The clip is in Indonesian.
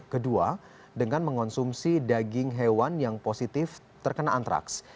kedua dengan mengonsumsi daging hewan yang positif terkena antraks